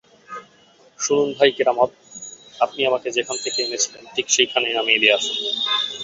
শুনুন ভাই কেরামত, আপনি আমাকে যেখান থেকে এনেছিলেন ঠিক সেইখানে নামিয়ে দিয়ে আসুন।